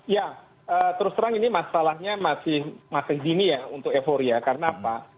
ya terus terang ini masalahnya masih dini ya untuk euforia karena apa